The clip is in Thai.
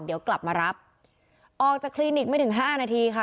เดี๋ยวกลับมารับออกจากคลินิกไม่ถึงห้านาทีค่ะ